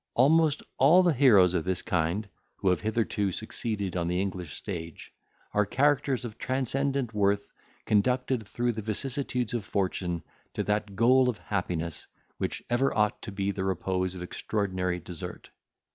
Almost all the heroes of this kind, who have hitherto succeeded on the English stage, are characters of transcendent worth, conducted through the vicissitudes of fortune, to that goal of happiness, which ever ought to be the repose of extraordinary desert.